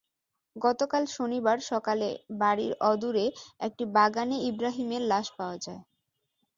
গতকাল শনিবার সকালে বাড়ির অদূরে একটি বাগানে ইব্রাহিমের লাশ পাওয়া যায়।